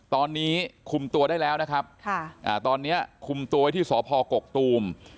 ตอนนี้คุมตัวได้แล้วนะครับตอนนี้คุมตัวไว้ที่สพกกตูม